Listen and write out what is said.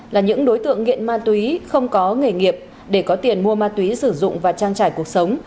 là những đối tượng nghiện ma túy không có nghề nghiệp để có tiền mua ma túy sử dụng và trang trải cuộc sống